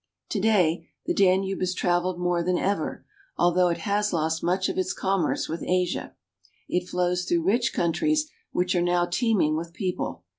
To day the Danube is traveled more than ever, although it has lost much of its commerce with Asia. It flows through rich countries which are now teeming with peo ple.